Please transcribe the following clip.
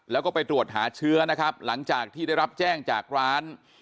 แล้วก็ไปตรวจหาเชื้อนะครับหลังจากที่ได้รับแจ้งจากร้าน